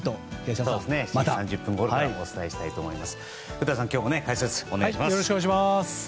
７時３０分ごろからお伝えしたいと思います。